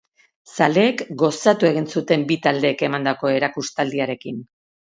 Zaleek gozatu egin zuten bi taldeek emandako erakustaldiarekin.